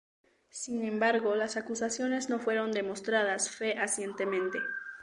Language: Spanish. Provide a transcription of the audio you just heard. Sin embargo las acusaciones no fueron demostradas fehacientemente.